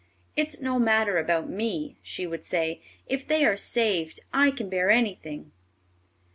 "It's no matter about me," she would say; "if they are saved, I can bear anything."